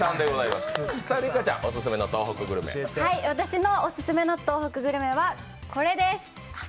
私のオススメの東北グルメは、これです。